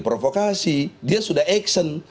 provokasi dia sudah action